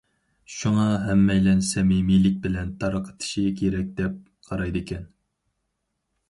شۇڭا ھەممەيلەن سەمىمىيلىك بىلەن تارقىتىشى كېرەك، دەپ قارايدىكەن.